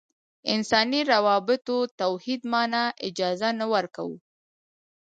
انساني روابطو توحید معنا اجازه نه ورکوو.